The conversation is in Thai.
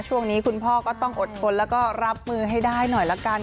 ช่วงนี้คุณพ่อก็ต้องอดทนแล้วก็รับมือให้ได้หน่อยละกัน